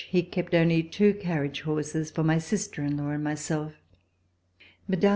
He kept only two carriage horses for my sister in law and myself. Mme.